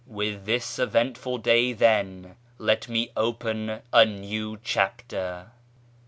With this eventful day, then, let me open a new chapter.